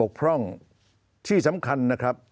มีข้อบกพร่องที่สำคัญนะครับ